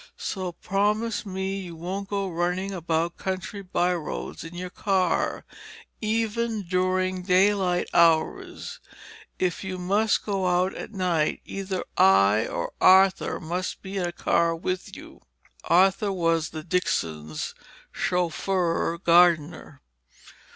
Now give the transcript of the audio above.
"So promise me you won't go running about country byroads in your car, even during daylight hours. If you must go out at night, either I or Arthur must be in the car with you." (Arthur was the Dixons' chauffeur gardener.)